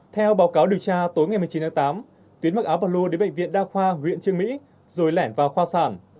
theo báo cáo điều tra tối ngày một mươi chín tháng tám tuyến mặc áo và lua đến bệnh viện đa khoa nguyễn trương mỹ rồi lẻn vào khoa sản